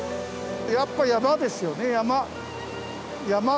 やっぱ山ですよね山。